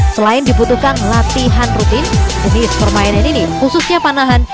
selain dibutuhkan latihan rutin jenis permainan ini khususnya panahan